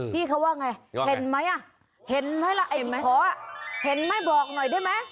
พี่เขาว่าไงเห็นไหมอ่ะเห็นไหมล่ะไอ้ขอเห็นไหมบอกหน่อยได้ไหม